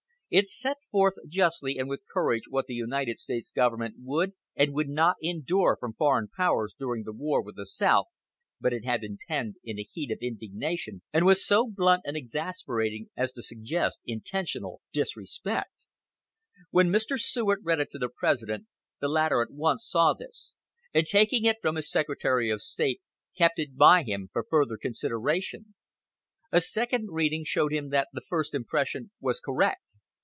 It set forth justly and with courage what the United States government would and would not endure from foreign powers during the war with the South, but it had been penned in a heat of indignation, and was so blunt and exasperating as to suggest intentional disrespect. When Mr. Seward read it to the President the latter at once saw this, and taking it from his Secretary of State kept it by him for further consideration. A second reading showed him that his first impression was correct.